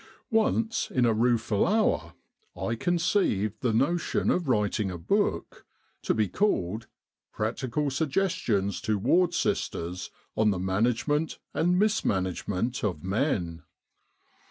Once, in a rueful hour, I conceived the notion of writing a book, to be called * Practical Suggestions to Ward Sisters on the Management and Mismanagement of Men.'